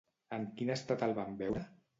En quin estat el van veure?